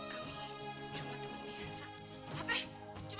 kami cuma temen biasa